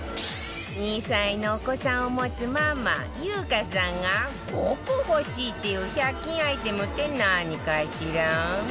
２歳のお子さんを持つママ優香さんが５個欲しいっていう１００均アイテムって何かしら？